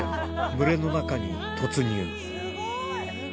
群れの中に突入スゴい！